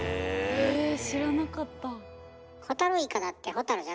へえ知らなかった。